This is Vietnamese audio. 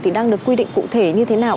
thì đang được quy định cụ thể như thế nào